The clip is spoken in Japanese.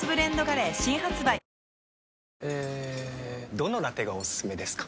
どのラテがおすすめですか？